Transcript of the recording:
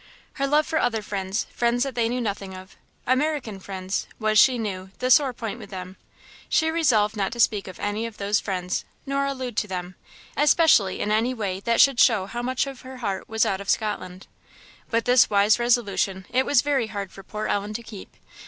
Her love for other friends, friends that they knew nothing of, American friends, was, she knew, the sore point with them; she resolved not to speak of any of those friends, nor allude to them, especially in any way that should show how much of her heart was out of Scotland. But this wise resolution it was very hard for poor Ellen to keep.